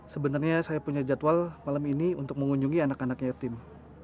sebenarnya saya punya jadwal malam ini untuk mengunjungi anak anak yatim